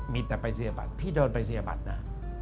มีแต่ไปเสียบัตรพี่เดินไปเสียบัตรนะ